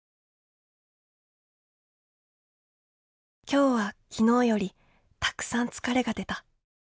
「今日は昨日よりたくさん疲れが出た。